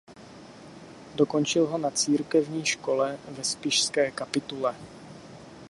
Dokončil ho na církevní škole ve Spišské Kapitule.